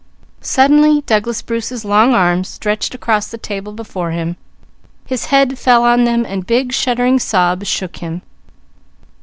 Suddenly Douglas Bruce's long arms stretched across the table before him, his head fell on them, and shuddering sobs shook him.